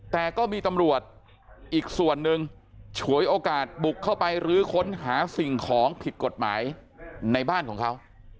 แต่ก็มีตำรวจอีกส่วนหนึ่งฉวยโอกาสบุกเข้าไปรื้อค้นหาสิ่งของผิดกฎหมายในบ้านของเขา